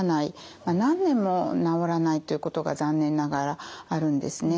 何年も治らないということが残念ながらあるんですね。